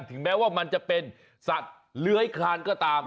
แม้ว่ามันจะเป็นสัตว์เลื้อยคลานก็ตาม